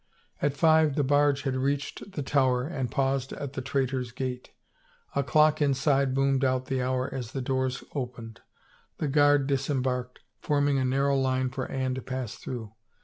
At five the barge had reached the Tower and paused at the Traitor's Gate. A clock inside boomed out the hour as the doors opened. The guard disembarked, forming a narrow line for Anne to pass through.